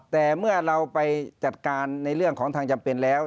แต่เมื่อเราไปจัดการในเรื่องของทางจำเป็นแล้ว